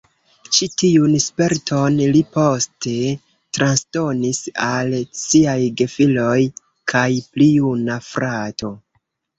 Ĉi tiun sperton li poste transdonis al siaj gefiloj kaj pli juna frato.